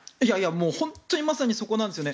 本当にまさにそこなんですよね。